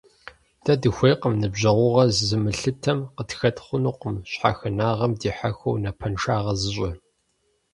Дэ дыхуейкъым ныбжьэгъугъэр зымылъытэм, къытхэт хъунукъым щхьэхынагъэм дихьэхыу напэншагъэ зыщӀэ.